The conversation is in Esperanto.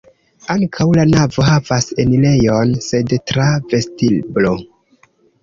Ankaŭ la navo havas enirejon, sed tra vestiblo.